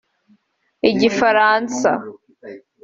igifaransa